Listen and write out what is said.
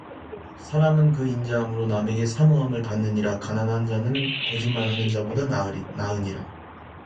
사람은 그 인자함으로 남에게 사모함을 받느니라 가난한 자는 거짓말하는 자보다 나으니라